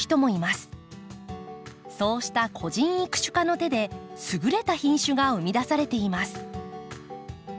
そうした個人育種家の手で優れた品種が生み出されています。